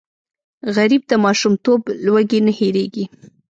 غریب د ماشومتوب لوږې نه هېرېږي